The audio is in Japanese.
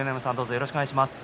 よろしくお願いします。